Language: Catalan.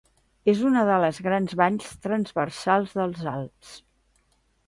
És una de les grans valls transversals dels Alps.